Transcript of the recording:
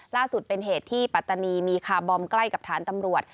ล่าสุดเป็นเหตุที่ปัตตานีมีคาร์บอมใกล้กับฐานตำรวจ